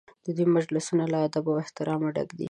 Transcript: د دوی مجلسونه له ادب او احترامه ډک وي.